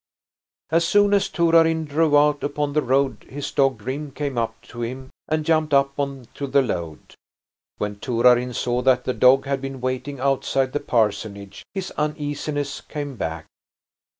III As soon as Torarin drove out upon the road his dog Grim came up to him and jumped up on to the load. When Torarin saw that the dog had been waiting outside the parsonage his uneasiness came back.